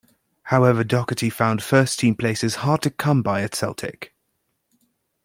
However, Docherty found first team places hard to come by at Celtic.